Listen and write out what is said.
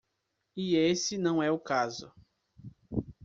E esse não é o caso.